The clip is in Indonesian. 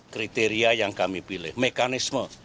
kriteria yang kami pilih mekanisme